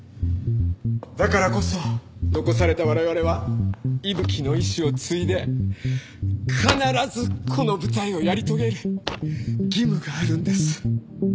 だからこそ残された我々は伊吹の遺志を継いで必ずこの舞台をやり遂げる義務があるんです。